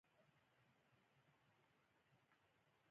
اوبه د غاښونو صفا ساتي